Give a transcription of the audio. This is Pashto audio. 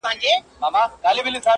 o اوبه خړوي، ماهيان پکښي نيسي .